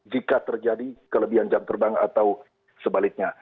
jika terjadi kelebihan jam terbang atau sebaliknya